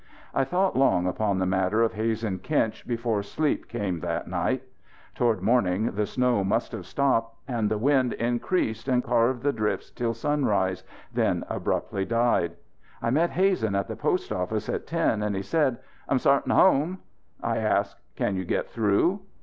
I thought long upon the matter of Hazen Kinch before sleep came that night. Toward morning the snow must have stopped; and the wind increased and carved the drifts till sunrise, then abruptly died. I met Hazen at the postoffice at ten and he said: "I'm starting home." I asked: "Can you get through?"